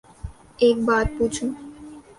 ایک بات پو چوں